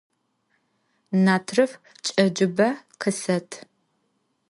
Natrıf ç'ecıbe khıset!